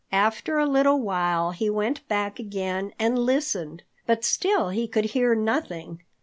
After a little while he went back again and listened, but still he could hear nothing.